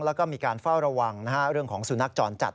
แล้วก็มีการเฝ้าระวังเรื่องของสุนัขจรจัด